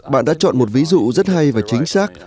bạn đã chọn một ví dụ rất hay và chính xác